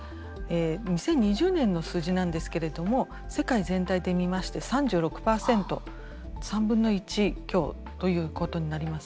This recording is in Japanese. ２０２０年の数字なんですけれども世界全体で見まして３６％３分の１強ということになります。